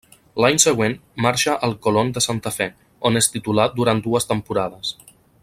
L'any següent marxa al Colón de Santa Fe, on és titular durant dues temporades.